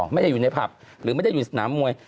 ไม่ได้อยู่ในผับหรือไม่ได้อยู่สนามมวย